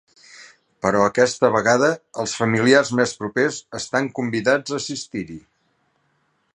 Però aquesta vegada els familiars més propers estan convidats a assistir-hi.